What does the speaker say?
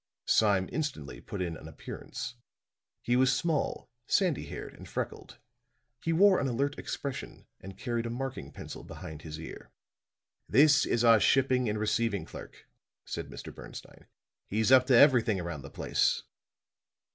Sime instantly put in an appearance. He was small, sandy haired and freckled; he wore an alert expression and carried a marking pencil behind his ear. "This is our shipping and receiving clerk," said Mr. Bernstine. "He's up to everything around the place."